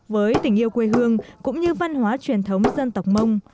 với tình yêu quê hương cũng như văn hóa truyền thống dân tộc mông